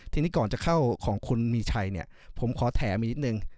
ทีนี้ก่อนจะเข้าของคุณมีชัยเนี่ยผมขอแถมอีกนิดนึง